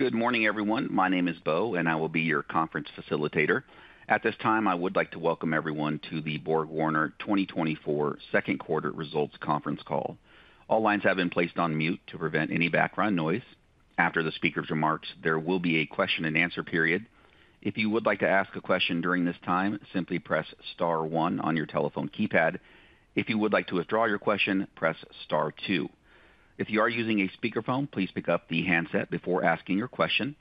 Good morning, everyone. My name is Beau, and I will be your conference facilitator. At this time, I would like to welcome everyone to the BorgWarner 2024 second quarter results conference call. All lines have been placed on mute to prevent any background noise. After the speaker's remarks, there will be a question and answer period. If you would like to ask a question during this time, simply press star one on your telephone keypad. If you would like to withdraw your question, press star two. If you are using a speakerphone, please pick up the handset before asking your question.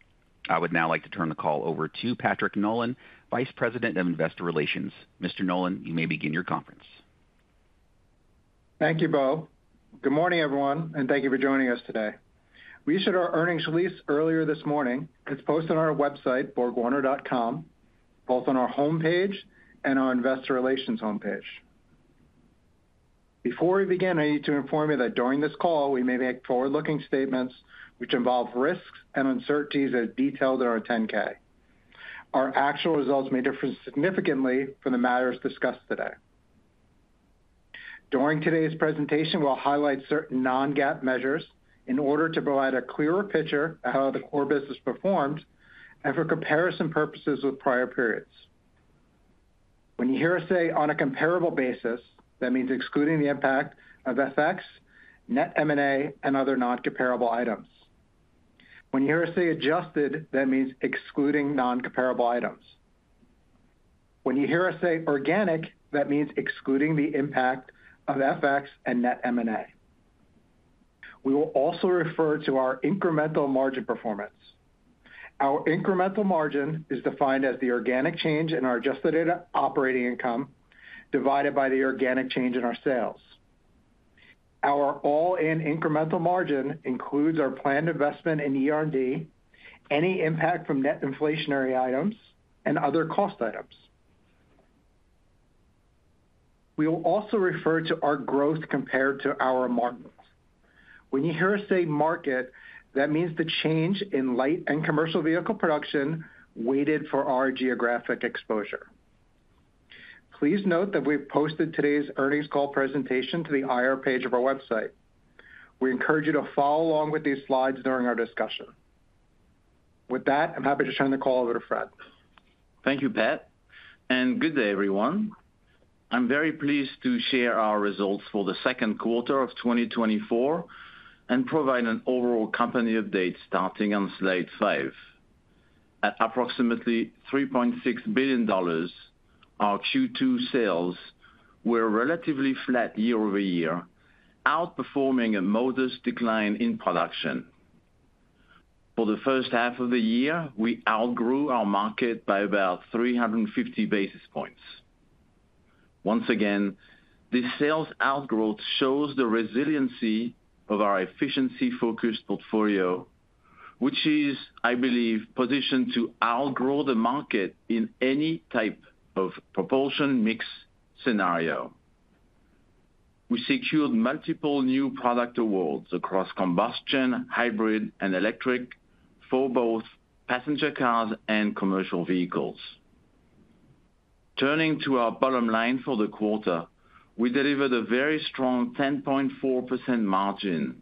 I would now like to turn the call over to Patrick Nolan, Vice President of Investor Relations. Mr. Nolan, you may begin your conference. Thank you, Beau. Good morning, everyone, and thank you for joining us today. We shared our earnings release earlier this morning. It's posted on our website, borgwarner.com, both on our home page and our investor relations home page. Before we begin, I need to inform you that during this call, we may make forward-looking statements which involve risks and uncertainties as detailed in our 10-K. Our actual results may differ significantly from the matters discussed today. During today's presentation, we'll highlight certain non-GAAP measures in order to provide a clearer picture of how the core business performed and for comparison purposes with prior periods. When you hear us say on a comparable basis, that means excluding the impact of FX, net MA, and other non-comparable items. When you hear us say adjusted, that means excluding non-comparable items. When you hear us say organic, that means excluding the impact of FX and net M&A. We will also refer to our incremental margin performance. Our incremental margin is defined as the organic change in our adjusted operating income divided by the organic change in our sales. Our all-in incremental margin includes our planned investment in eR&D, any impact from net inflationary items, and other cost items. We will also refer to our growth compared to our market. When you hear us say market, that means the change in light and commercial vehicle production weighted for our geographic exposure. Please note that we've posted today's earnings call presentation to the IR page of our website. We encourage you to follow along with these slides during our discussion. With that, I'm happy to turn the call over to Fred. Thank you, Pat, and good day, everyone. I'm very pleased to share our results for the second quarter of 2024 and provide an overall company update starting on slide five. At approximately $3.6 billion, our Q2 sales were relatively flat year-over-year, outperforming a modest decline in production. For the first half of the year, we outgrew our market by about 350 basis points. Once again, this sales outgrowth shows the resiliency of our efficiency-focused portfolio, which is, I believe, positioned to outgrow the market in any type of propulsion mix scenario. We secured multiple new product awards across combustion, hybrid, and electric for both passenger cars and commercial vehicles. Turning to our bottom line for the quarter, we delivered a very strong 10.4% margin,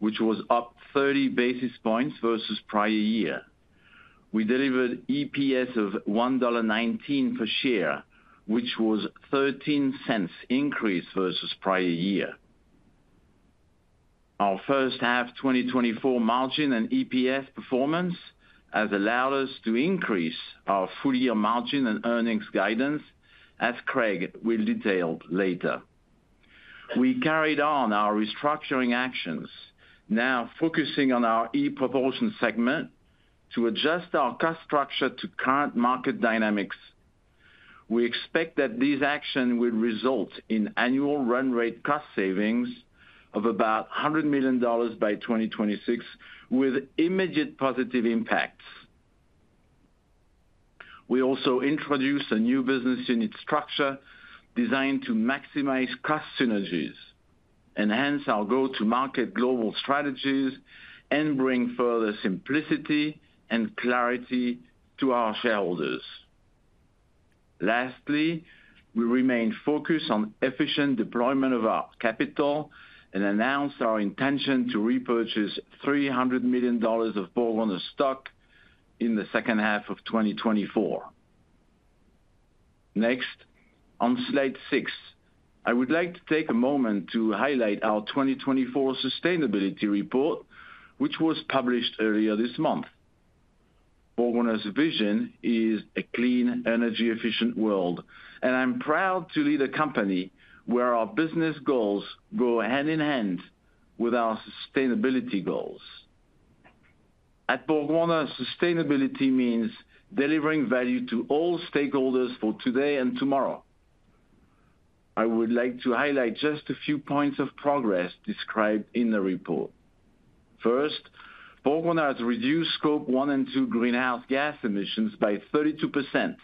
which was up 30 basis points versus prior year. We delivered EPS of $1.19 per share, which was a $0.13 increase versus prior year. Our first half 2024 margin and EPS performance has allowed us to increase our full year margin and earnings guidance, as Craig will detail later. We carried on our restructuring actions, now focusing on our ePropulsion segment to adjust our cost structure to current market dynamics. We expect that these actions will result in annual run rate cost savings of about $100 million by 2026, with immediate positive impacts. We also introduced a new business unit structure designed to maximize cost synergies, enhance our go-to-market global strategies, and bring further simplicity and clarity to our shareholders. Lastly, we remain focused on efficient deployment of our capital and announced our intention to repurchase $300 million of BorgWarner stock in the second half of 2024. Next, on slide 6, I would like to take a moment to highlight our 2024 sustainability report, which was published earlier this month. BorgWarner's vision is a clean, energy-efficient world, and I'm proud to lead a company where our business goals go hand in hand with our sustainability goals. At BorgWarner, sustainability means delivering value to all stakeholders for today and tomorrow. I would like to highlight just a few points of progress described in the report. First, BorgWarner has reduced Scope 1 and 2 greenhouse gas emissions by 32%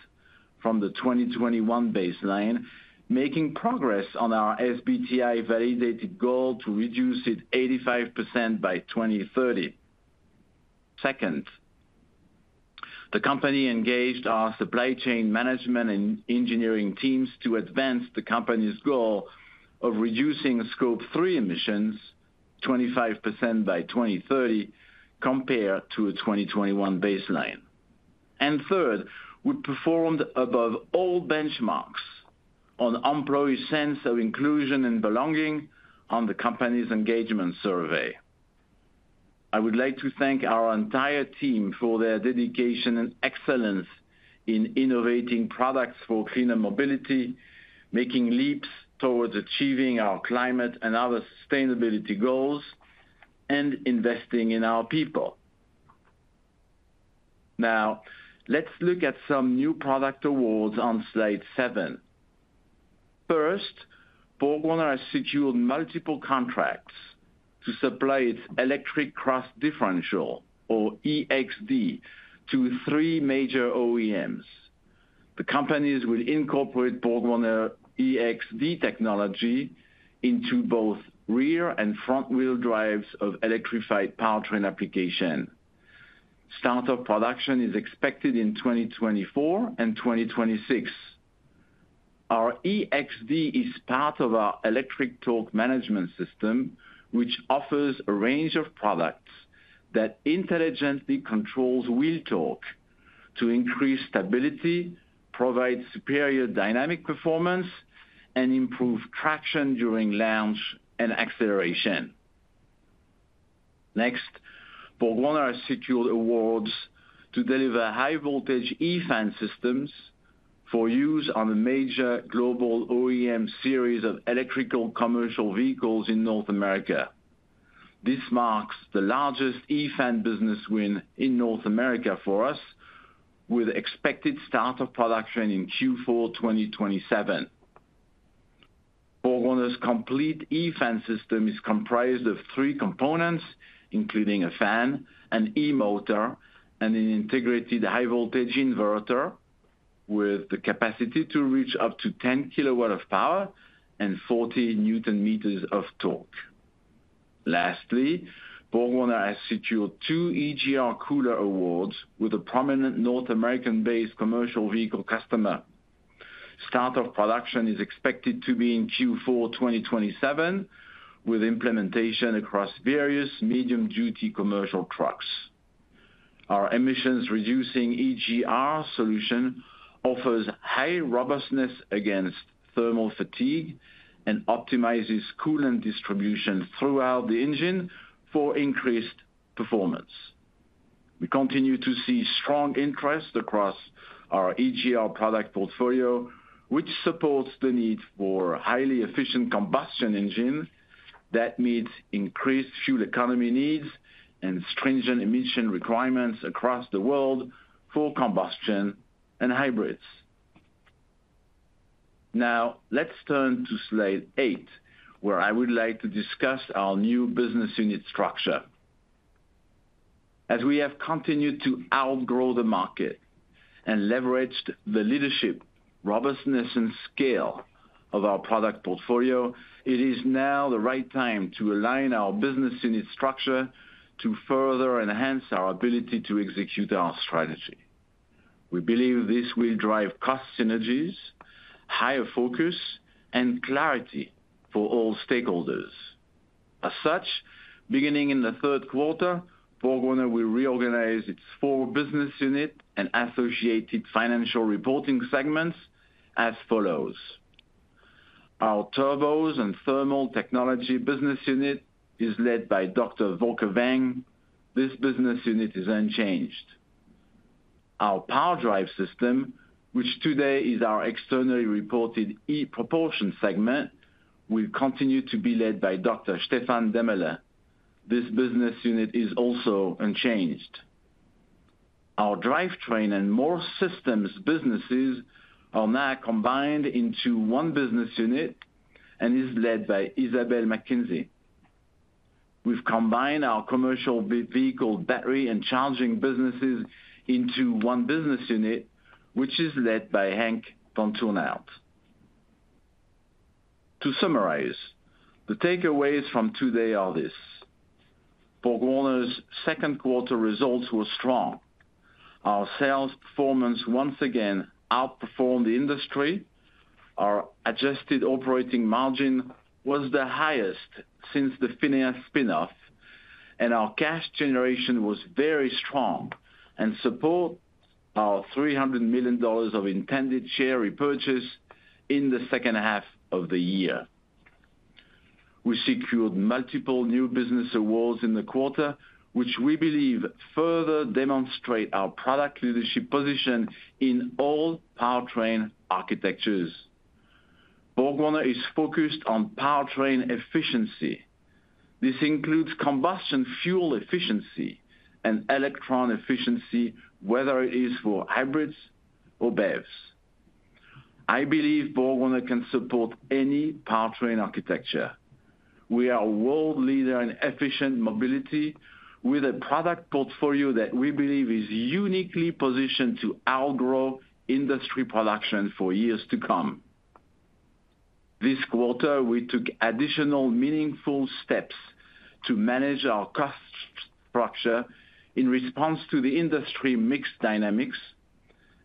from the 2021 baseline, making progress on our SBTi validated goal to reduce it 85% by 2030. Second, the company engaged our supply chain management and engineering teams to advance the company's goal of reducing Scope 3 emissions 25% by 2030 compared to a 2021 baseline. Third, we performed above all benchmarks on employee sense of inclusion and belonging on the company's engagement survey. I would like to thank our entire team for their dedication and excellence in innovating products for cleaner mobility, making leaps towards achieving our climate and other sustainability goals, and investing in our people. Now, let's look at some new product awards on slide 7. First, BorgWarner has secured multiple contracts to supply its electric cross differential, or eXD, to 3 major OEMs. The companies will incorporate BorgWarner eXD technology into both rear and front-wheel drives of electrified powertrain application. Startup production is expected in 2024 and 2026. Our eXD is part of our electric torque management system, which offers a range of products that intelligently controls wheel torque to increase stability, provide superior dynamic performance, and improve traction during launch and acceleration. Next, BorgWarner has secured awards to deliver high-voltage eFan systems for use on a major global OEM series of electrical commercial vehicles in North America. This marks the largest eFan business win in North America for us, with expected startup production in Q4 2027. BorgWarner's complete eFan system is comprised of three components, including a fan, an eMotor, and an integrated high-voltage inverter with the capacity to reach up to 10 kilowatts of power and 40 newton meters of torque. Lastly, BorgWarner has secured two EGR cooler awards with a prominent North American-based commercial vehicle customer. Startup production is expected to be in Q4 2027, with implementation across various medium-duty commercial trucks. Our emissions-reducing EGR solution offers high robustness against thermal fatigue and optimizes coolant distribution throughout the engine for increased performance. We continue to see strong interest across our EGR product portfolio, which supports the need for highly efficient combustion engines that meet increased fuel economy needs and stringent emission requirements across the world for combustion and hybrids. Now, let's turn to slide 8, where I would like to discuss our new business unit structure. As we have continued to outgrow the market and leveraged the leadership, robustness, and scale of our product portfolio, it is now the right time to align our business unit structure to further enhance our ability to execute our strategy. We believe this will drive cost synergies, higher focus, and clarity for all stakeholders. As such, beginning in the third quarter, BorgWarner will reorganize its 4 business unit and associated financial reporting segments as follows. Our Turbos and Thermal Technologies business unit is led by Dr. Volker Weng. This business unit is unchanged. Our PowerDrive Systems, which today is our externally reported ePropulsion segment, will continue to be led by Dr. Stefan Demmerle. This business unit is also unchanged. Our Drivetrain and Morse Systems businesses are now combined into one business unit and is led by Isabelle McKenzie. We've combined our commercial vehicle battery and charging businesses into one business unit, which is led by Henk Vanthournout. To summarize, the takeaways from today are this: BorgWarner's second quarter results were strong. Our sales performance once again outperformed the industry. Our adjusted operating margin was the highest since the finance spinoff, and our cash generation was very strong and supports our $300 million of intended share repurchase in the second half of the year. We secured multiple new business awards in the quarter, which we believe further demonstrate our product leadership position in all powertrain architectures. BorgWarner is focused on powertrain efficiency. This includes combustion fuel efficiency and electron efficiency, whether it is for hybrids or BEVs. I believe BorgWarner can support any powertrain architecture. We are a world leader in efficient mobility with a product portfolio that we believe is uniquely positioned to outgrow industry production for years to come. This quarter, we took additional meaningful steps to manage our cost structure in response to the industry mix dynamics,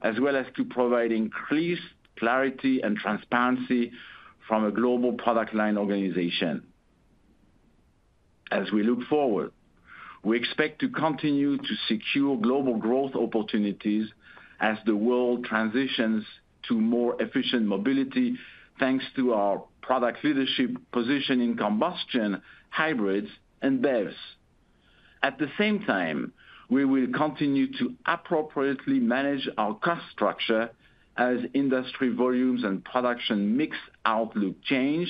as well as to provide increased clarity and transparency from a global product line organization. As we look forward, we expect to continue to secure global growth opportunities as the world transitions to more efficient mobility, thanks to our product leadership position in combustion hybrids and BEVs. At the same time, we will continue to appropriately manage our cost structure as industry volumes and production mix outlook change,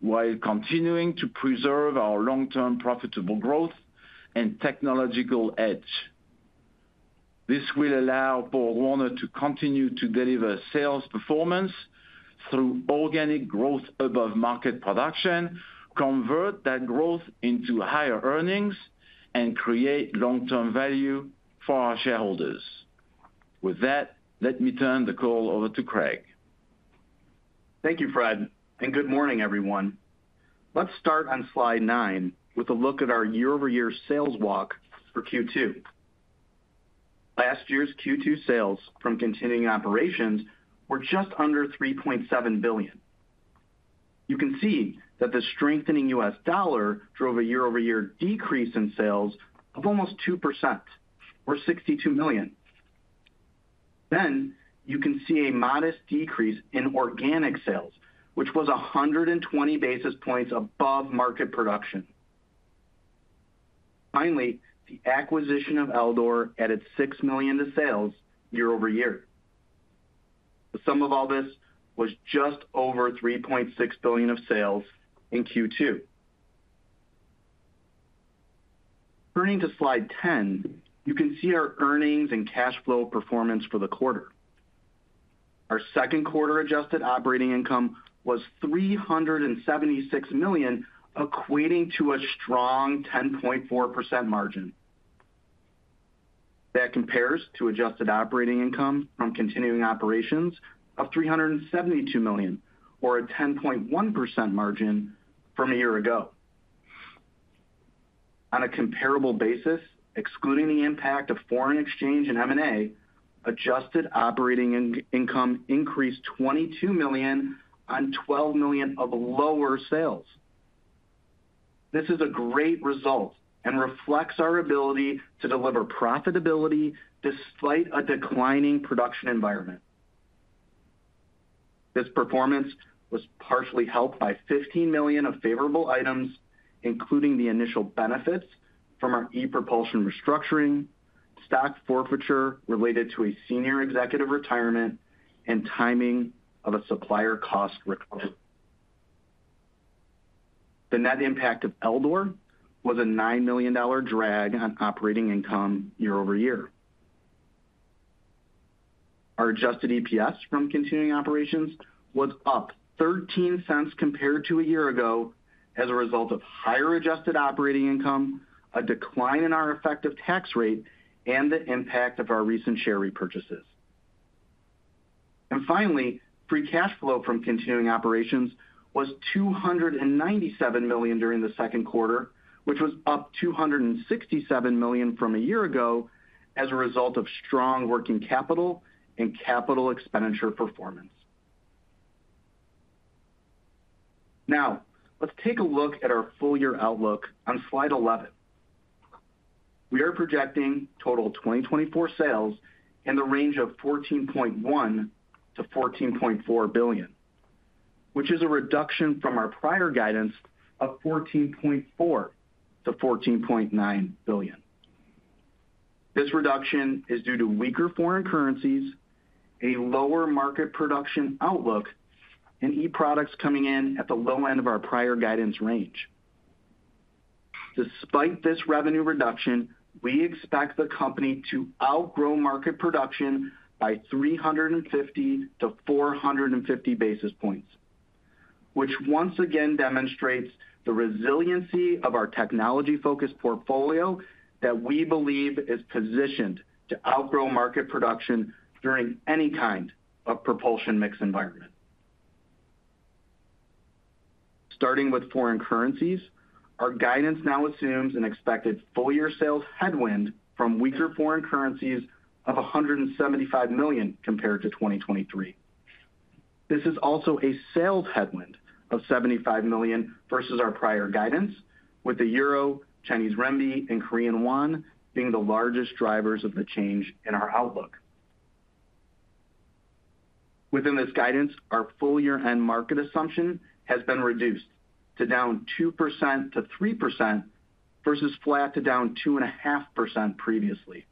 while continuing to preserve our long-term profitable growth and technological edge. This will allow BorgWarner to continue to deliver sales performance through organic growth above market production, convert that growth into higher earnings, and create long-term value for our shareholders. With that, let me turn the call over to Craig. Thank you, Fred, and good morning, everyone. Let's start on slide 9 with a look at our year-over-year sales walk for Q2. Last year's Q2 sales from continuing operations were just under $3.7 billion. You can see that the strengthening U.S. dollar drove a year-over-year decrease in sales of almost 2%, or $62 million. Then, you can see a modest decrease in organic sales, which was 120 basis points above market production. Finally, the acquisition of Eldor added $6 million to sales year-over-year. The sum of all this was just over $3.6 billion of sales in Q2. Turning to slide 10, you can see our earnings and cash flow performance for the quarter. Our second quarter adjusted operating income was $376 million, equating to a strong 10.4% margin. That compares to adjusted operating income from continuing operations of $372 million, or a 10.1% margin from a year ago. On a comparable basis, excluding the impact of foreign exchange and M&A, Adjusted Operating Income increased $22 million on $12 million of lower sales. This is a great result and reflects our ability to deliver profitability despite a declining production environment. This performance was partially helped by $15 million of favorable items, including the initial benefits from our ePropulsion restructuring, stock forfeiture related to a senior executive retirement, and timing of a supplier cost report. The net impact of Eldor was a $9 million drag on operating income year-over-year. Our adjusted EPS from continuing operations was up $0.13 compared to a year ago as a result of higher adjusted operating income, a decline in our effective tax rate, and the impact of our recent share repurchases. Finally, free cash flow from continuing operations was $297 million during the second quarter, which was up $267 million from a year ago as a result of strong working capital and capital expenditure performance. Now, let's take a look at our full year outlook on slide 11. We are projecting total 2024 sales in the range of $14.1 billion-$14.4 billion, which is a reduction from our prior guidance of $14.4 billion-$14.9 billion. This reduction is due to weaker foreign currencies, a lower market production outlook, and e-products coming in at the low end of our prior guidance range. Despite this revenue reduction, we expect the company to outgrow market production by 350 basis points-450 basis points, which once again demonstrates the resiliency of our technology-focused portfolio that we believe is positioned to outgrow market production during any kind of propulsion mix environment. Starting with foreign currencies, our guidance now assumes an expected full year sales headwind from weaker foreign currencies of $175 million compared to 2023. This is also a sales headwind of $75 million versus our prior guidance, with the euro, Chinese renminbi, and Korean won being the largest drivers of the change in our outlook. Within this guidance, our full year-end market assumption has been reduced to down 2%-3% versus flat to down 2.5% previously.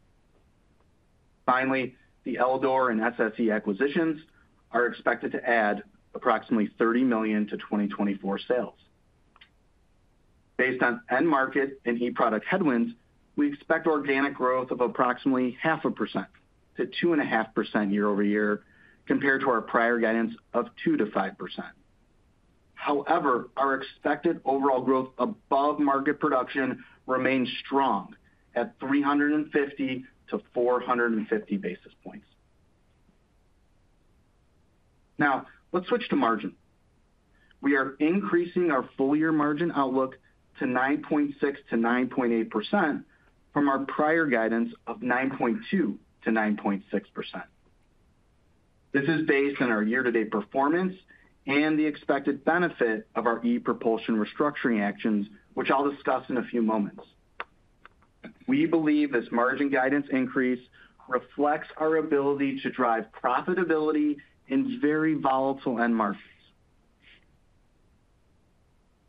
Finally, the Eldor and SSE acquisitions are expected to add approximately $30 million to 2024 sales. Based on end market and e-product headwinds, we expect organic growth of approximately 0.5%-2.5% year-over-year compared to our prior guidance of 2%-5%. However, our expected overall growth above market production remains strong at 350-450 basis points. Now, let's switch to margin. We are increasing our full year margin outlook to 9.6%-9.8% from our prior guidance of 9.2%-9.6%. This is based on our year-to-date performance and the expected benefit of our ePropulsion restructuring actions, which I'll discuss in a few moments. We believe this margin guidance increase reflects our ability to drive profitability in very volatile end markets.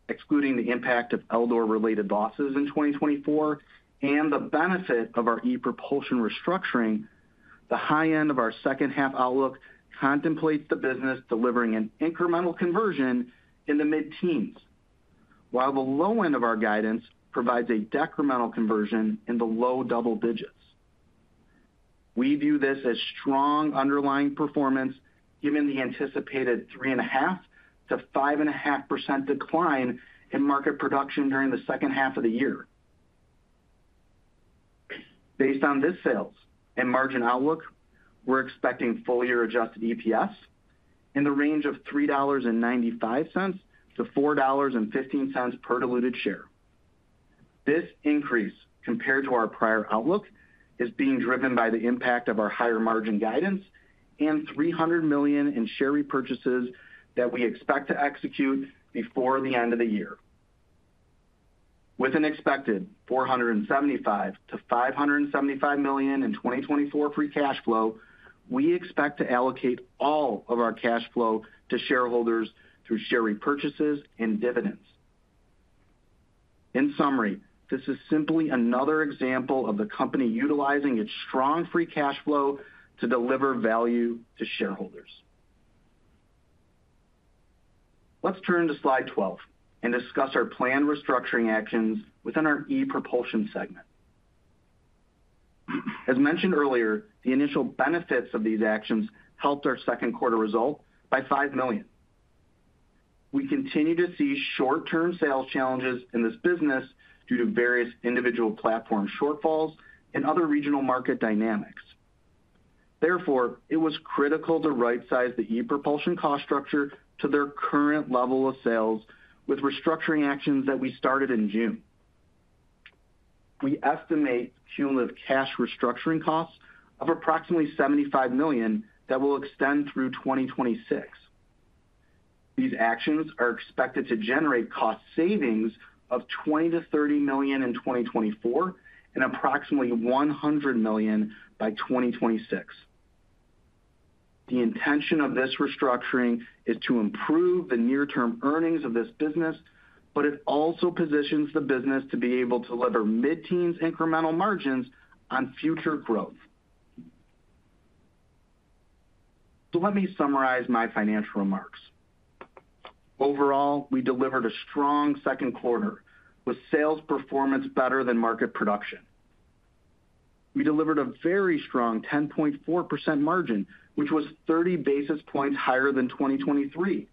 Excluding the impact of Eldor-related losses in 2024 and the benefit of our ePropulsion restructuring, the high end of our second half outlook contemplates the business delivering an incremental conversion in the mid-teens, while the low end of our guidance provides a decremental conversion in the low double digits. We view this as strong underlying performance given the anticipated 3.5%-5.5% decline in market production during the second half of the year. Based on this sales and margin outlook, we're expecting full year adjusted EPS in the range of $3.95-$4.15 per diluted share. This increase compared to our prior outlook is being driven by the impact of our higher margin guidance and $300 million in share repurchases that we expect to execute before the end of the year. With an expected $475 million-$575 million in 2024 free cash flow, we expect to allocate all of our cash flow to shareholders through share repurchases and dividends. In summary, this is simply another example of the company utilizing its strong free cash flow to deliver value to shareholders. Let's turn to slide 12 and discuss our planned restructuring actions within our ePropulsion segment. As mentioned earlier, the initial benefits of these actions helped our second quarter result by $5 million. We continue to see short-term sales challenges in this business due to various individual platform shortfalls and other regional market dynamics. Therefore, it was critical to right-size the Propulsion cost structure to their current level of sales with restructuring actions that we started in June. We estimate cumulative cash restructuring costs of approximately $75 million that will extend through 2026. These actions are expected to generate cost savings of $20 million-$30 million in 2024 and approximately $100 million by 2026. The intention of this restructuring is to improve the near-term earnings of this business, but it also positions the business to be able to deliver mid-teens incremental margins on future growth. So let me summarize my financial remarks. Overall, we delivered a strong second quarter with sales performance better than market production. We delivered a very strong 10.4% margin, which was 30 basis points higher than 2023.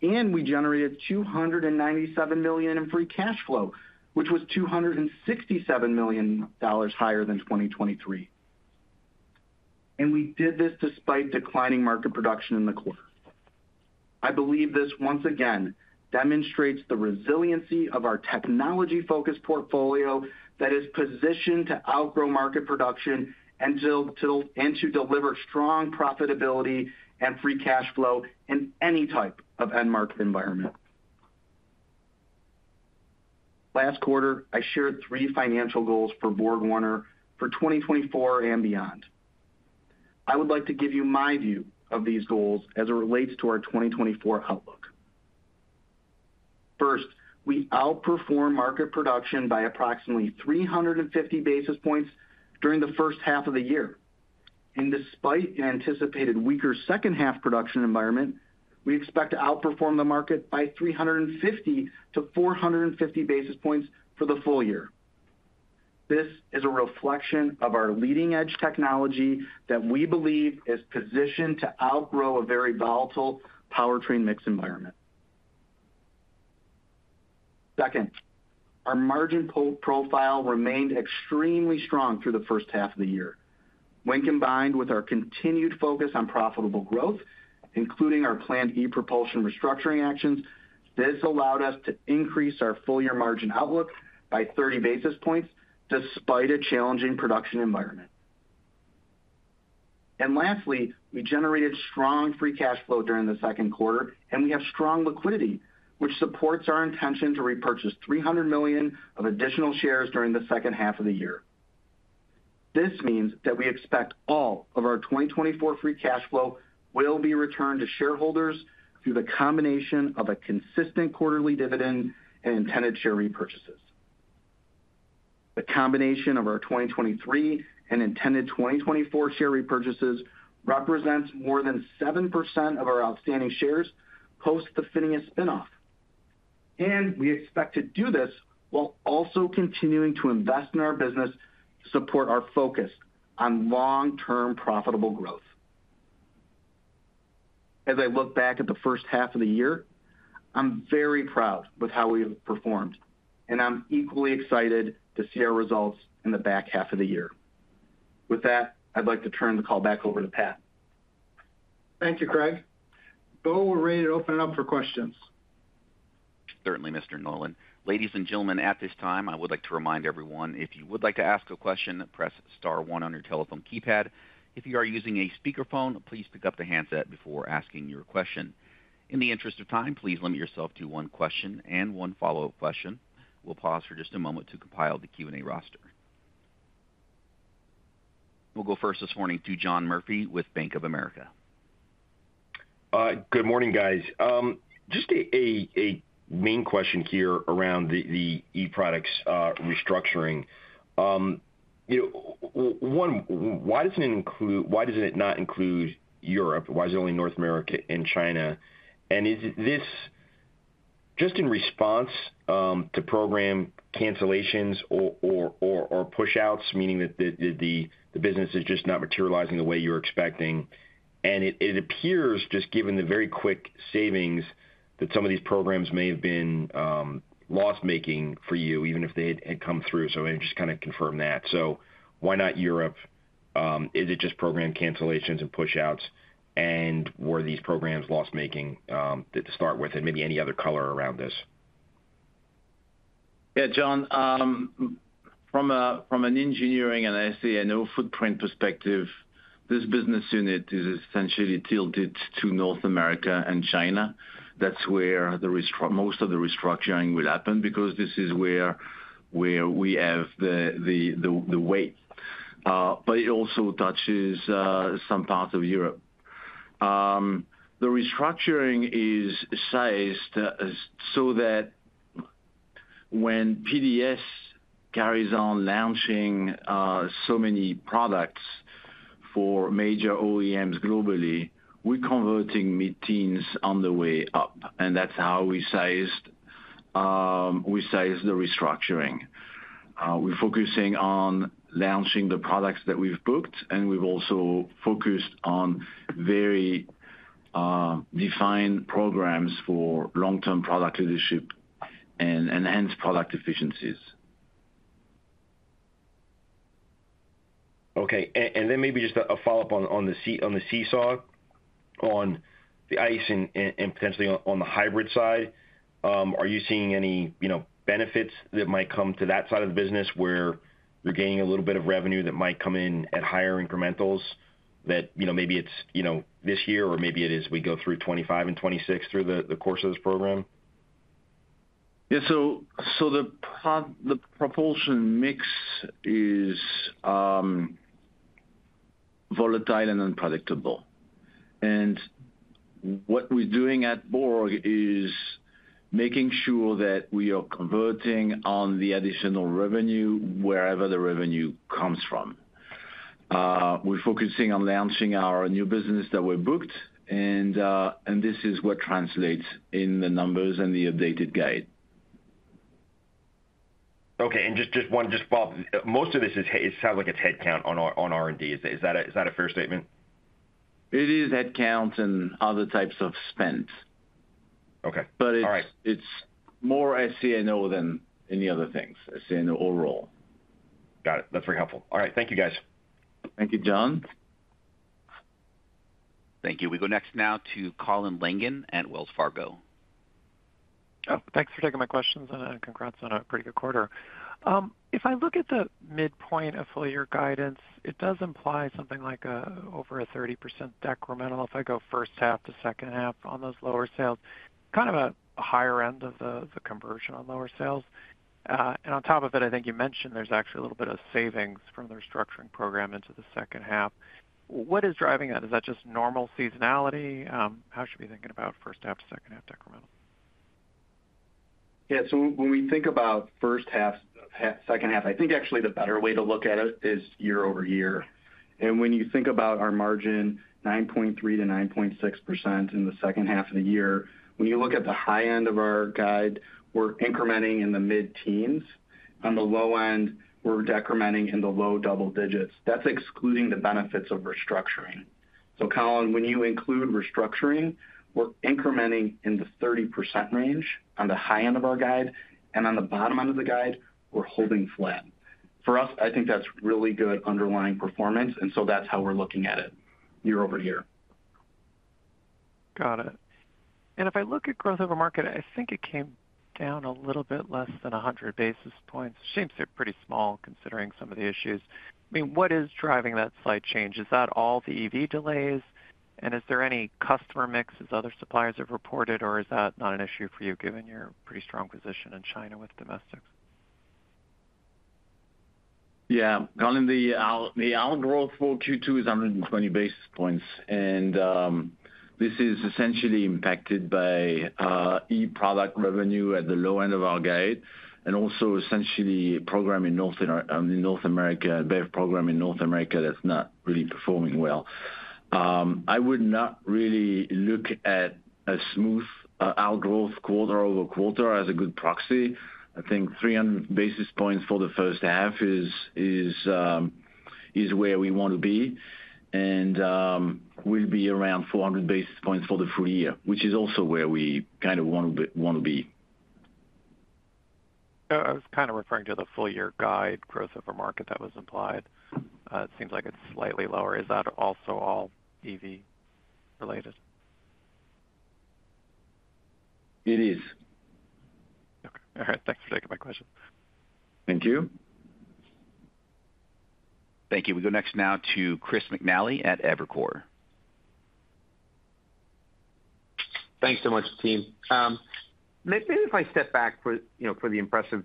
We generated $297 million in free cash flow, which was $267 million higher than 2023. We did this despite declining market production in the quarter. I believe this once again demonstrates the resiliency of our technology-focused portfolio that is positioned to outgrow market production and to deliver strong profitability and free cash flow in any type of end market environment. Last quarter, I shared three financial goals for BorgWarner for 2024 and beyond. I would like to give you my view of these goals as it relates to our 2024 outlook. First, we outperformed market production by approximately 350 basis points during the first half of the year. Despite an anticipated weaker second half production environment, we expect to outperform the market by 350 basis points-450 basis points for the full year. This is a reflection of our leading-edge technology that we believe is positioned to outgrow a very volatile powertrain mix environment. Second, our margin profile remained extremely strong through the first half of the year. When combined with our continued focus on profitable growth, including our planned ePropulsion restructuring actions, this allowed us to increase our full year margin outlook by 30 basis points despite a challenging production environment. And lastly, we generated strong free cash flow during the second quarter, and we have strong liquidity, which supports our intention to repurchase $300 million of additional shares during the second half of the year. This means that we expect all of our 2024 free cash flow will be returned to shareholders through the combination of a consistent quarterly dividend and intended share repurchases. The combination of our 2023 and intended 2024 share repurchases represents more than 7% of our outstanding shares post the PHINIA spin-off. We expect to do this while also continuing to invest in our business to support our focus on long-term profitable growth. As I look back at the first half of the year, I'm very proud with how we have performed, and I'm equally excited to see our results in the back half of the year. With that, I'd like to turn the call back over to Pat. Thank you, Craig. Beau, ready to open it up for questions. Certainly, Mr. Nolan. Ladies and gentlemen, at this time, I would like to remind everyone, if you would like to ask a question, press star one on your telephone keypad. If you are using a speakerphone, please pick up the handset before asking your question. In the interest of time, please limit yourself to one question and one follow-up question. We'll pause for just a moment to compile the Q&A roster. We'll go first this morning to John Murphy with Bank of America. Good morning, guys. Just a main question here around the e-products restructuring. One, why doesn't it include why does it not include Europe? Why is it only North America and China? And is this just in response to program cancellations or push-outs, meaning that the business is just not materializing the way you're expecting? And it appears, just given the very quick savings, that some of these programs may have been loss-making for you, even if they had come through. So I just kind of confirm that. So why not Europe? Is it just program cancellations and push-outs? And were these programs loss-making to start with? And maybe any other color around this? Yeah, John, from an engineering and SE and our footprint perspective, this business unit is essentially tilted to North America and China. That's where most of the restructuring will happen because this is where we have the weight. But it also touches some parts of Europe. The restructuring is sized so that when PDS carries on launching so many products for major OEMs globally, we're converting mid-teens on the way up. And that's how we sized the restructuring. We're focusing on launching the products that we've booked, and we've also focused on very defined programs for long-term product leadership and enhanced product efficiencies. Okay. And then maybe just a follow-up on the seesaw, on the ICE and potentially on the hybrid side. Are you seeing any benefits that might come to that side of the business where you're gaining a little bit of revenue that might come in at higher incrementals that maybe it's this year or maybe it is we go through 2025 and 2026 through the course of this program? Yeah. So the propulsion mix is volatile and unpredictable. And what we're doing at Borg is making sure that we are converting on the additional revenue wherever the revenue comes from. We're focusing on launching our new business that we've booked, and this is what translates in the numbers and the updated guide. Okay. And just wanted to just follow up. Most of this sounds like it's headcount on R&D. Is that a fair statement? It is headcount and other types of spend. But it's more SC&O than any other things, SC&O overall. Got it. That's very helpful. All right. Thank you, guys. Thank you, John. Thank you. We go next now to Colin Langan at Wells Fargo. Thanks for taking my questions and congrats on a pretty good quarter. If I look at the midpoint of full year guidance, it does imply something like over a 30% decremental if I go first half to second half on those lower sales, kind of a higher end of the conversion on lower sales. And on top of it, I think you mentioned there's actually a little bit of savings from the restructuring program into the second half. What is driving that? Is that just normal seasonality? How should we be thinking about first half, second half decremental? Yeah. So when we think about first half, second half, I think actually the better way to look at it is year-over-year. And when you think about our margin, 9.3%-9.6% in the second half of the year, when you look at the high end of our guide, we're incrementing in the mid-teens. On the low end, we're decrementing in the low double digits. That's excluding the benefits of restructuring. So Colin, when you include restructuring, we're incrementing in the 30% range on the high end of our guide. And on the bottom end of the guide, we're holding flat. For us, I think that's really good underlying performance. And so that's how we're looking at it year-over-year. Got it. And if I look at growth over market, I think it came down a little bit less than 100 basis points. It seems they're pretty small considering some of the issues. I mean, what is driving that slight change? Is that all the EV delays? And is there any customer mix as other suppliers have reported, or is that not an issue for you given your pretty strong position in China with domestics? Yeah. Colin, the outgrowth for Q2 is 120 basis points. This is essentially impacted by e-product revenue at the low end of our guide, and also essentially program in North America and BEV program in North America that's not really performing well. I would not really look at a smooth outgrowth quarter-over-quarter as a good proxy. I think 300 basis points for the first half is where we want to be. We'll be around 400 basis points for the full year, which is also where we kind of want to be. I was kind of referring to the full year guide growth of a market that was implied. It seems like it's slightly lower. Is that also all EV related? It is. Okay. All right. Thanks for taking my questions. Thank you. Thank you. We go next now to Chris McNally at Evercore. Thanks so much, team. Maybe if I step back for the impressive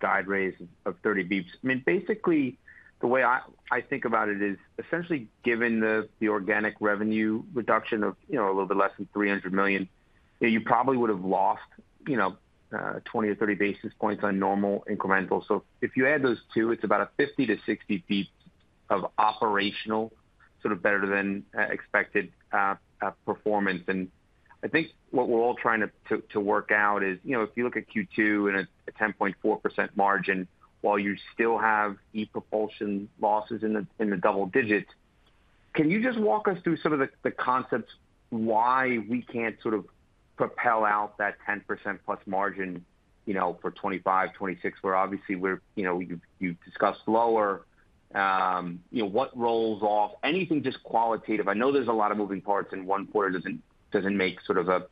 guide raise of 30 beeps. I mean, basically, the way I think about it is essentially given the organic revenue reduction of a little bit less than $300 million, you probably would have lost 20 or 30 basis points on normal incremental. So if you add those two, it's about a 50 to 60 beeps of operational sort of better than expected performance. I think what we're all trying to work out is if you look at Q2 and a 10.4% margin while you still have ePropulsion losses in the double digits, can you just walk us through some of the concepts why we can't sort of propel out that 10%+ margin for 2025, 2026, where obviously you've discussed lower, what rolls off, anything just qualitative. I know there's a lot of moving parts and one quarter doesn't make sort of a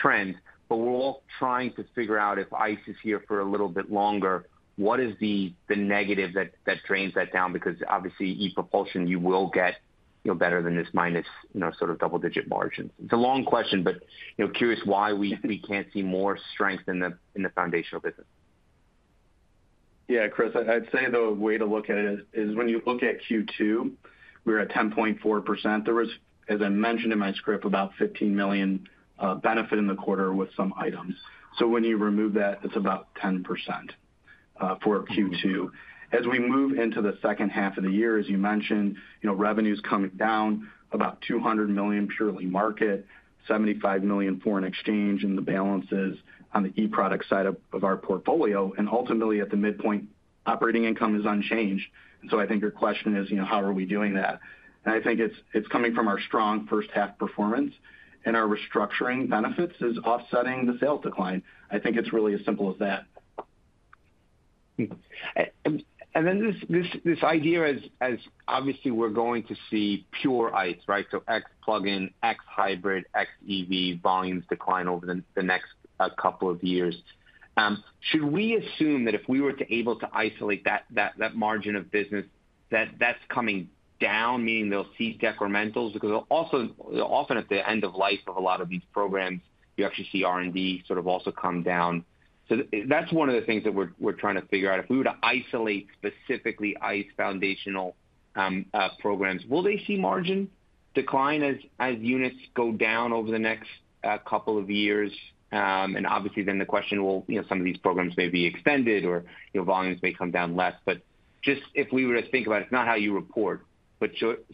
trend, but we're all trying to figure out if ICE is here for a little bit longer, what is the negative that drains that down? Because obviously, ePropulsion, you will get better than this minus sort of double-digit margin. It's a long question, but curious why we can't see more strength in the foundational business? Yeah, Chris, I'd say the way to look at it is when you look at Q2, we're at 10.4%. There was, as I mentioned in my script, about $15 million benefit in the quarter with some items. So when you remove that, it's about 10% for Q2. As we move into the second half of the year, as you mentioned, revenue is coming down about $200 million purely market, $75 million foreign exchange in the balances on the e-product side of our portfolio. And ultimately, at the midpoint, operating income is unchanged. And so I think your question is, how are we doing that? And I think it's coming from our strong first half performance and our restructuring benefits is offsetting the sales decline. I think it's really as simple as that. And then this idea is, obviously, we're going to see pure ICE, right? So X plug-in, X hybrid, X EV volumes decline over the next couple of years. Should we assume that if we were to be able to isolate that margin of business, that that's coming down, meaning they'll see decrementals? Because often at the end of life of a lot of these programs, you actually see R&D sort of also come down. So that's one of the things that we're trying to figure out. If we were to isolate specifically ICE foundational programs, will they see margin decline as units go down over the next couple of years? And obviously, then the question will some of these programs may be extended or volumes may come down less. But just if we were to think about it, it's not how you report, but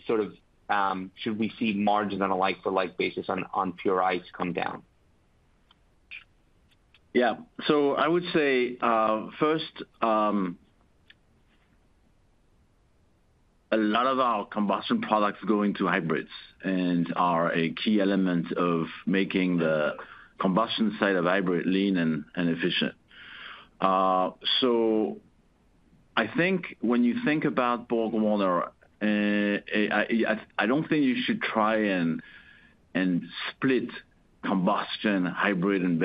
sort of should we see margins on a like-for-like basis on pure ICE come down? Yeah. So I would say first, a lot of our combustion products go into hybrids and are a key element of making the combustion side of hybrid lean and efficient. So I think when you think about BorgWarner, I don't think you should try and split combustion, hybrid, and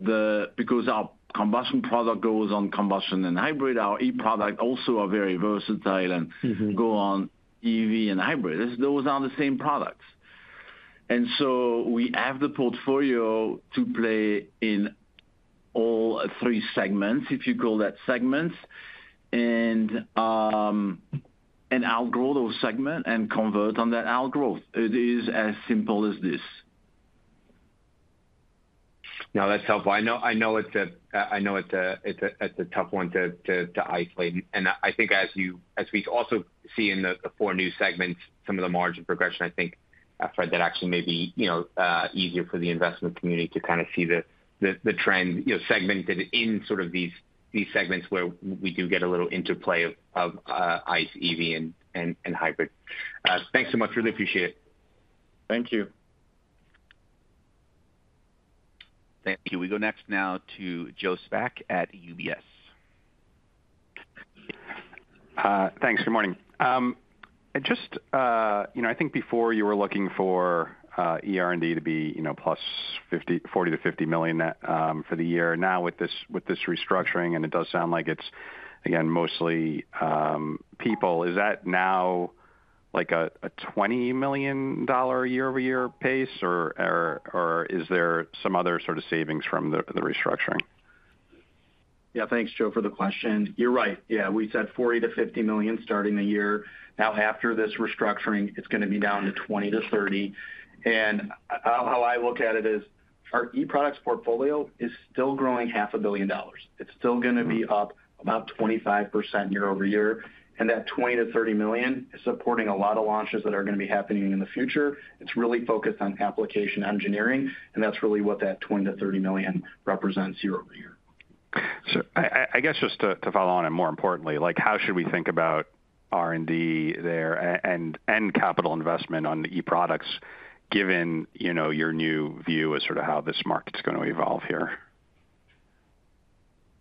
BEV. Because our combustion product goes on combustion and hybrid, our e-products also are very versatile and go on EV and hybrid. Those are the same products. And so we have the portfolio to play in all three segments, if you call that segments, and outgrow those segments and convert on that outgrowth. It is as simple as this. Now, that's helpful. I know it's a tough one to isolate. I think as we also see in the four new segments, some of the margin progression, I think I've heard that actually may be easier for the investment community to kind of see the trend segmented in sort of these segments where we do get a little interplay of ICE, EV, and hybrid. Thanks so much. Really appreciate it. Thank you. Thank you. We go next now to Joe Spak at UBS. Thanks. Good morning. Just I think before you were looking for eR&D to be plus $40 million-$50 million for the year. Now, with this restructuring, and it does sound like it's, again, mostly people, is that now like a $20 million year-over-year pace, or is there some other sort of savings from the restructuring? Yeah. Thanks, Joe, for the question. You're right. Yeah. We said $40 million-$50 million starting the year. Now, after this restructuring, it's going to be down to $20 million-$30 million. And how I look at it is our e-products portfolio is still growing $500 million. It's still going to be up about 25% year-over-year. And that $20 million-$30 million is supporting a lot of launches that are going to be happening in the future. It's really focused on application engineering, and that's really what that $20 million-$30 million represents year-over-year. So I guess just to follow on, and more importantly, how should we think about R&D there and capital investment on the e-products given your new view as sort of how this market's going to evolve here?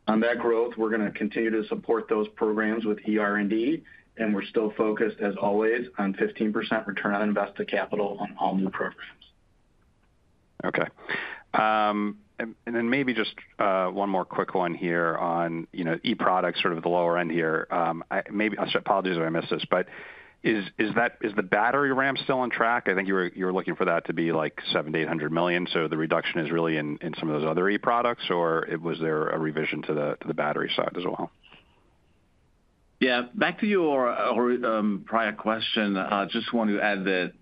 On that growth, we're going to continue to support those programs with eR&D, and we're still focused, as always, on 15% return on invested capital on all new programs. Okay. And then maybe just one more quick one here on e-products sort of the lower end here. Apologies if I missed this, but is the battery ramp still on track? I think you were looking for that to be like $700 million-$800 million. So the reduction is really in some of those other e-products, or was there a revision to the battery side as well? Yeah. Back to your prior question, I just want to add that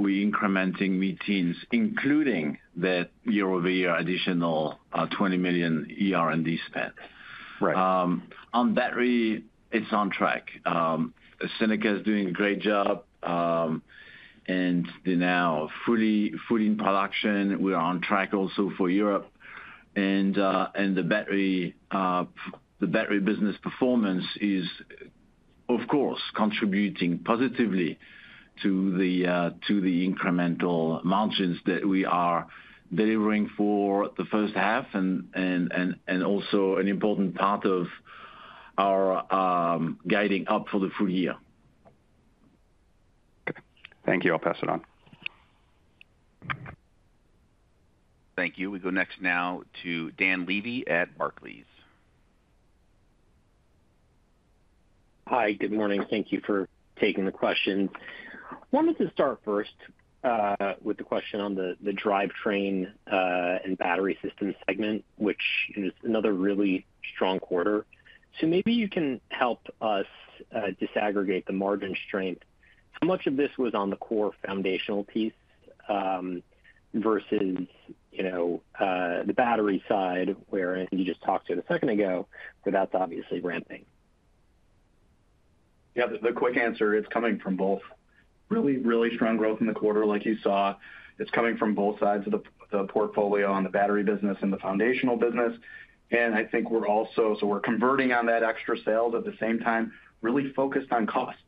incremental margins include that year-over-year additional $20 million eR&D spend. On battery, it's on track. Seneca is doing a great job, and they're now fully in production. We're on track also for Europe. And the battery business performance is, of course, contributing positively to the incremental margins that we are delivering for the first half and also an important part of our guiding up for the full year. Thank you. I'll pass it on. Thank you. We go next now to Dan Levy at Barclays. Hi. Good morning. Thank you for taking the question. Wanted to start first with the question on the drivetrain and battery system segment, which is another really strong quarter. So maybe you can help us disaggregate the margin strength. How much of this was on the core foundational piece versus the battery side where you just talked to a second ago, but that's obviously ramping? Yeah. The quick answer, it's coming from both. Really, really strong growth in the quarter, like you saw. It's coming from both sides of the portfolio on the battery business and the foundational business. And I think we're also, so we're converting on that extra sales at the same time, really focused on cost,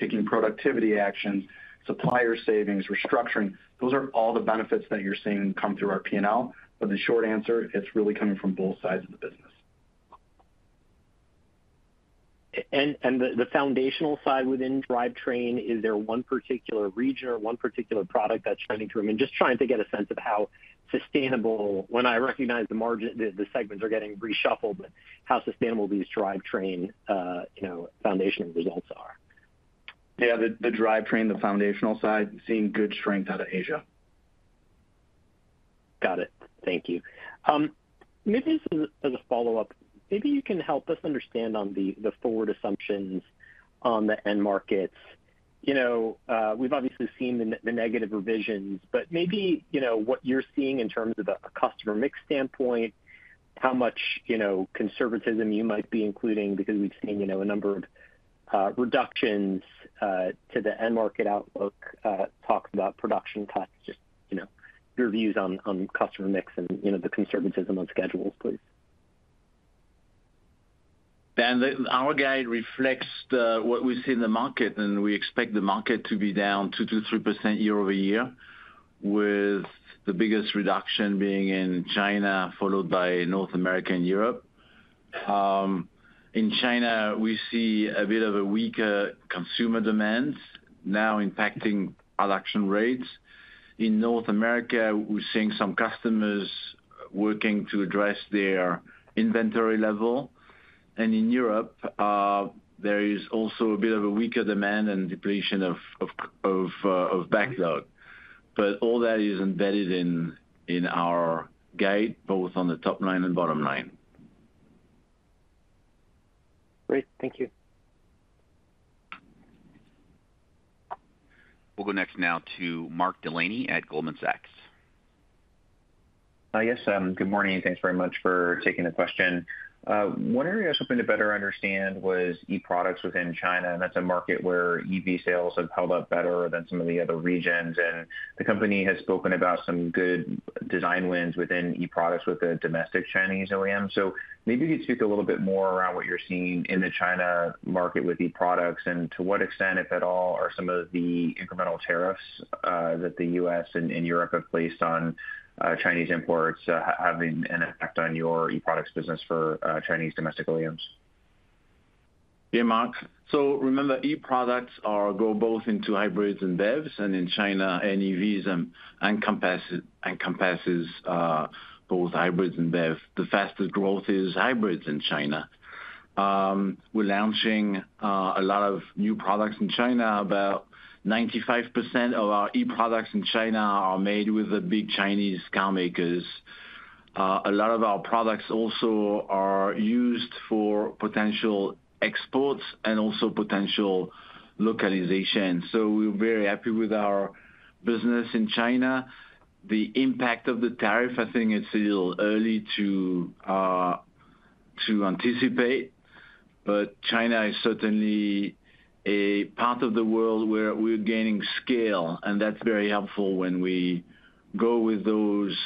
taking productivity actions, supplier savings, restructuring. Those are all the benefits that you're seeing come through our P&L. But the short answer, it's really coming from both sides of the business. And the foundational side within drivetrain, is there one particular region or one particular product that's trying to, I mean, just trying to get a sense of how sustainable, when I recognize the segments are getting reshuffled, but how sustainable these drivetrain foundational results are? Yeah. The drivetrain, the foundational side, seeing good strength out of Asia. Got it. Thank you. Maybe as a follow-up, maybe you can help us understand on the forward assumptions on the end markets. We've obviously seen the negative revisions, but maybe what you're seeing in terms of a customer mix standpoint, how much conservatism you might be including because we've seen a number of reductions to the end market outlook, talk about production cuts, just your views on customer mix and the conservatism on schedules, please? Dan, our guide reflects what we see in the market, and we expect the market to be down 2%-3% year-over-year, with the biggest reduction being in China, followed by North America and Europe. In China, we see a bit of a weaker consumer demand now impacting production rates. In North America, we're seeing some customers working to address their inventory level. And in Europe, there is also a bit of a weaker demand and depletion of backlog. But all that is embedded in our guide, both on the top line and bottom line. Great. Thank you. We'll go next now to Mark Delaney at Goldman Sachs. Hi, yes. Good morning. Thanks very much for taking the question. One area I was hoping to better understand was e-products within China, and that's a market where EV sales have held up better than some of the other regions. And the company has spoken about some good design wins within e-products with a domestic Chinese OEM. So maybe you could speak a little bit more around what you're seeing in the China market with e-products and to what extent, if at all, are some of the incremental tariffs that the U.S. and Europe have placed on Chinese imports having an effect on your e-products business for Chinese domestic OEMs? Yeah, Mark. So remember, e-products go both into hybrids and BEVs, and in China, NEVs encompasses both hybrids and BEVs. The fastest growth is hybrids in China. We're launching a lot of new products in China. About 95% of our e-products in China are made with the big Chinese carmakers. A lot of our products also are used for potential exports and also potential localization. So we're very happy with our business in China. The impact of the tariff, I think it's a little early to anticipate, but China is certainly a part of the world where we're gaining scale, and that's very helpful when we go with those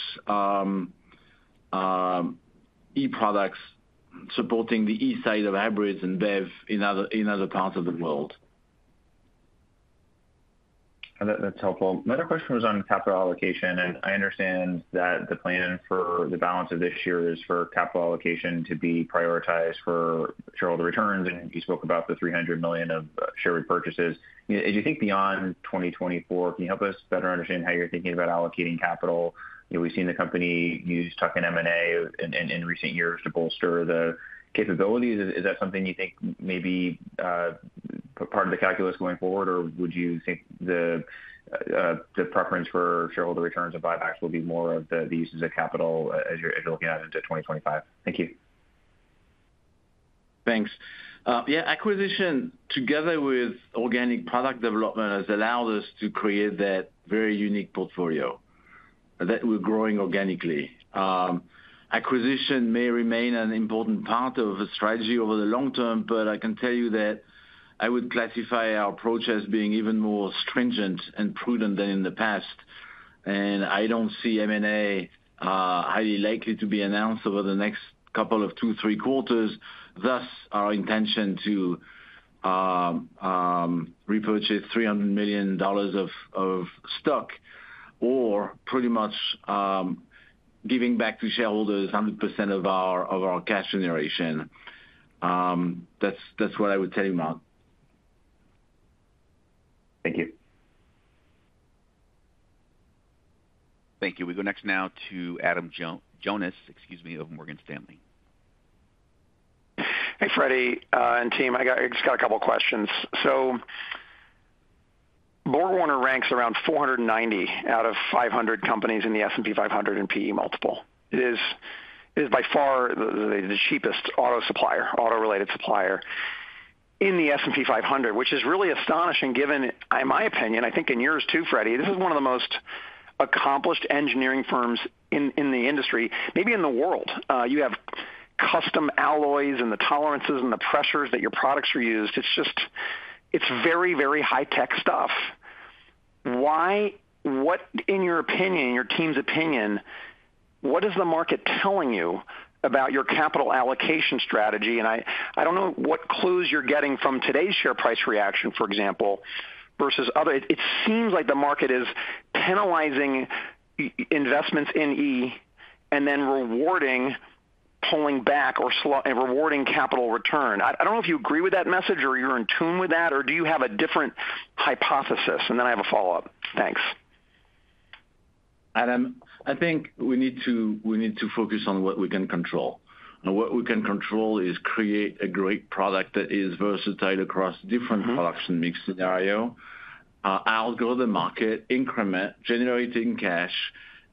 e-products supporting the ICE side of hybrids and BEV in other parts of the world. That's helpful. Another question was on capital allocation, and I understand that the plan for the balance of this year is for capital allocation to be prioritized for shareholder returns, and you spoke about the $300 million of share repurchases. As you think beyond 2024, can you help us better understand how you're thinking about allocating capital? We've seen the company use tuck-in M&A in recent years to bolster the capabilities. Is that something you think may be part of the calculus going forward, or would you think the preference for shareholder returns and buybacks will be more of the uses of capital as you're looking at into 2025? Thank you. Thanks. Yeah. Acquisition, together with organic product development, has allowed us to create that very unique portfolio that we're growing organically. Acquisition may remain an important part of a strategy over the long term, but I can tell you that I would classify our approach as being even more stringent and prudent than in the past. And I don't see M&A highly likely to be announced over the next couple of 2, 3 quarters. Thus, our intention to repurchase $300 million of stock, or pretty much giving back to shareholders 100% of our cash generation. That's what I would tell you, Mark. Thank you. Thank you. We go next now to Adam Jonas, excuse me, of Morgan Stanley. Hey, Freddie and team. I just got a couple of questions. So BorgWarner ranks around 490 out of 500 companies in the S&P 500 and PE multiple. It is by far the cheapest auto supplier, auto-related supplier in the S&P 500, which is really astonishing given, in my opinion, I think in yours too, Freddie, this is one of the most accomplished engineering firms in the industry, maybe in the world. You have custom alloys and the tolerances and the pressures that your products are used. It's very, very high-tech stuff. What, in your opinion, in your team's opinion, what is the market telling you about your capital allocation strategy? And I don't know what clues you're getting from today's share price reaction, for example, versus other. It seems like the market is penalizing investments in E and then rewarding pulling back or rewarding capital return. I don't know if you agree with that message or you're in tune with that, or do you have a different hypothesis? And then I have a follow-up. Thanks. Adam, I think we need to focus on what we can control. And what we can control is create a great product that is versatile across different production mix scenario, outgrow the market, increment, generating cash,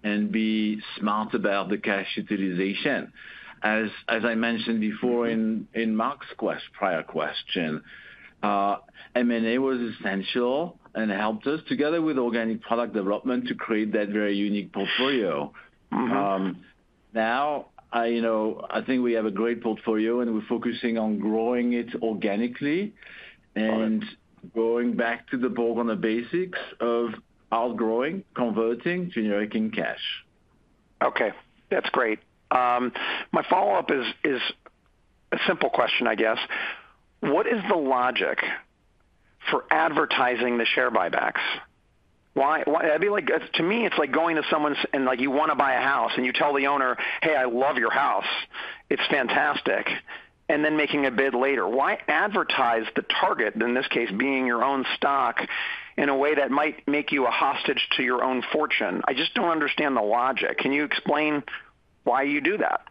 and be smart about the cash utilization. As I mentioned before in Mark's prior question, M&A was essential and helped us together with organic product development to create that very unique portfolio. Now, I think we have a great portfolio, and we're focusing on growing it organically and going back to the BorgWarner basics of outgrowing, converting, generating cash. Okay. That's great. My follow-up is a simple question, I guess. What is the logic for advertising the share buybacks? I mean, to me, it's like going to someone's and you want to buy a house, and you tell the owner, "Hey, I love your house. It's fantastic," and then making a bid later. Why advertise the target, in this case, being your own stock, in a way that might make you a hostage to your own fortune? I just don't understand the logic. Can you explain why you do that?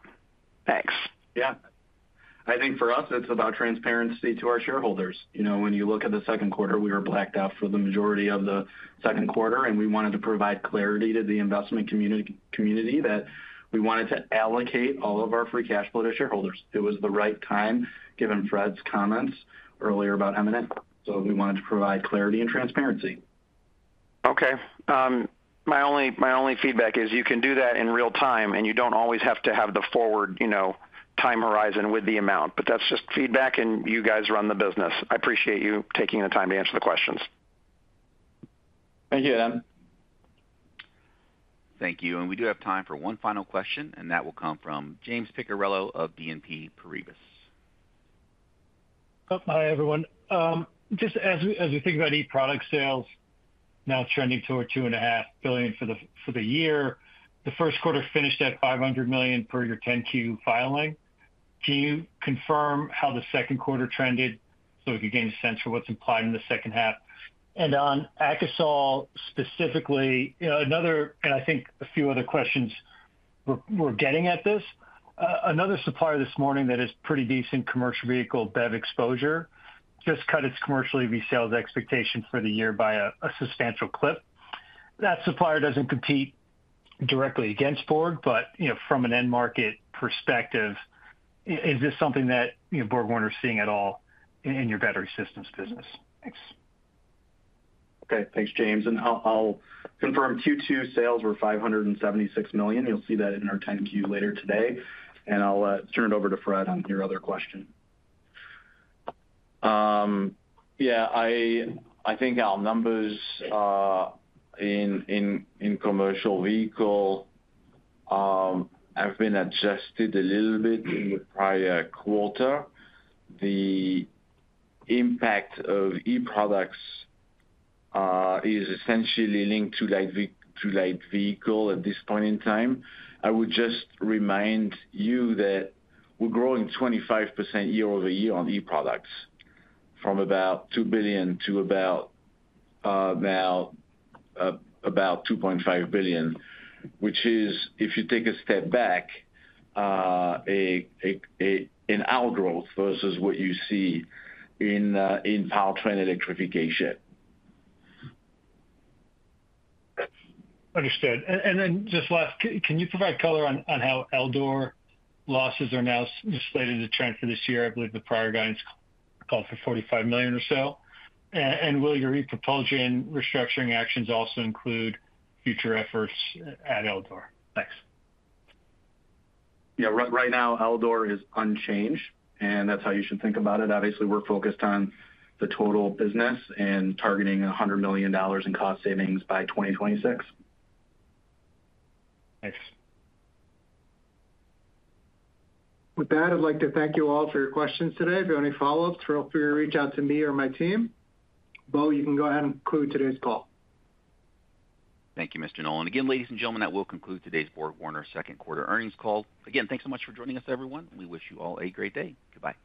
Thanks. Yeah. I think for us, it's about transparency to our shareholders. When you look at the second quarter, we were blacked out for the majority of the second quarter, and we wanted to provide clarity to the investment community that we wanted to allocate all of our free cash flow to shareholders. It was the right time, given Fred's comments earlier about M&A, so we wanted to provide clarity and transparency. Okay. My only feedback is you can do that in real time, and you don't always have to have the forward time horizon with the amount, but that's just feedback, and you guys run the business. I appreciate you taking the time to answer the questions. Thank you, Adam. Thank you. And we do have time for one final question, and that will come from James Picariello of BNP Paribas. Hi, everyone. Just as we think about e-product sales, now trending toward $2.5 billion for the year, the first quarter finished at $500 million per your 10-Q filing. Can you confirm how the second quarter trended so we can gain a sense for what's implied in the second half? And on Akasol specifically, and I think a few other questions we're getting at this. Another supplier this morning that is pretty decent commercial vehicle BEV exposure just cut its commercial EV sales expectation for the year by a substantial clip. That supplier doesn't compete directly against Borg, but from an end market perspective, is this something that BorgWarner is seeing at all in your battery systems business? Thanks. Okay. Thanks, James. And I'll confirm Q2 sales were $576 million. You'll see that in our 10-Q later today. And I'll turn it over to Fred on your other question. Yeah. I think our numbers in commercial vehicle have been adjusted a little bit in the prior quarter. The impact of e-products is essentially linked to light vehicle at this point in time. I would just remind you that we're growing 25% year-over-year on e-products from about $2 billion to about $2.5 billion, which is, if you take a step back, an outgrowth versus what you see in powertrain electrification. Understood. And then just last, can you provide color on how Eldor losses are now slated to trend for this year? I believe the prior guidance called for $45 million or so. And will your ePropulsion restructuring actions also include future efforts at Eldor? Thanks. Yeah. Right now, Eldor is unchanged, and that's how you should think about it. Obviously, we're focused on the total business and targeting $100 million in cost savings by 2026. Thanks. With that, I'd like to thank you all for your questions today. If you have any follow-ups, feel free to reach out to me or my team. Beau, you can go ahead and conclude today's call. Thank you, Mr. Nolan. Again, ladies and gentlemen, that will conclude today's BorgWarner second quarter earnings call. Again, thanks so much for joining us, everyone. We wish you all a great day. Goodbye.